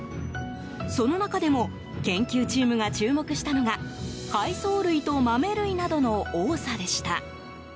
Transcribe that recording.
その中でも研究チームが注目したのが海藻類と豆類などの多さでした。